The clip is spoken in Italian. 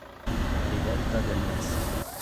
La rivolta del Messico